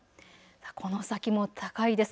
この先も高いです。